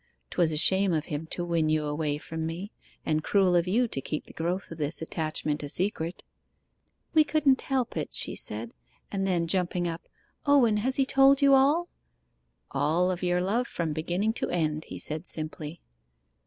'Twas a shame of him to win you away from me, and cruel of you to keep the growth of this attachment a secret.' 'We couldn't help it,' she said, and then jumping up 'Owen, has he told you all?' 'All of your love from beginning to end,' he said simply.